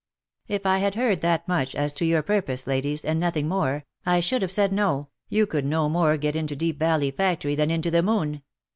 " If I had heard that much, as to your purpose, ladies, and nothing more, I should have said no, you could no more get into Deep Valley factory than into the moon.